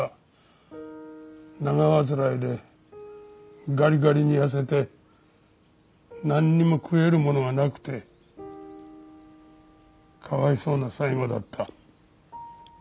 長患いでガリガリに痩せてなんにも食えるものがなくてかわいそうな最後だった。